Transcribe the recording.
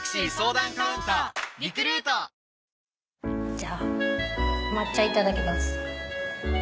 じゃあ抹茶いただきます。